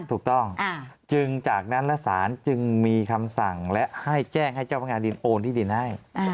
ถูกต้องจึงจากนั้นและสารจึงมีคำสั่งและให้แจ้งให้เจ้าพนักงานดินโอนที่ดินให้